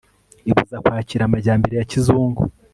ibuza kwakira amajyambere ya kizungu